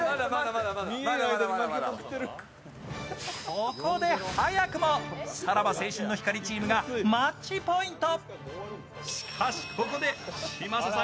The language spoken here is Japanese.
ここで早くもさらば青春の光チームがマッチポイント。